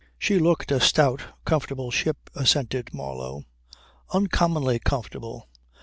"She looked a stout, comfortable ship," assented Marlow. "Uncommonly comfortable.